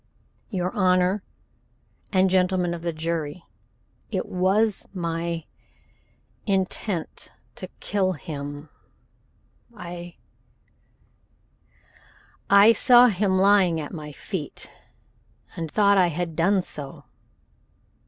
"Your Honor and Gentlemen of the Jury, it was my intent to kill him. I I saw him lying at my feet and thought I had done so."